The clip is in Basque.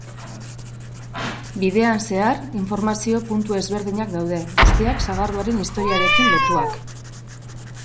Bidean zehar informazio puntu ezberdinak daude, guztiak sagardoaren historiarekin lotuak.